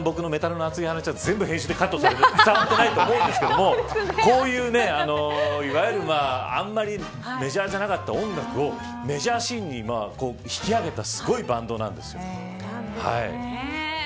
一番僕のメタルな熱い話を編集でカットされて伝わってないと思うんですけどこういういわゆるあんまりメジャーじゃなかった音楽をメジャーシーンに引き上げたすごいバンドなんですよ。